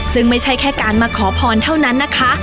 ซึ่งไม่ใช่แค่การมาขอพรเท่านั้นนะคะ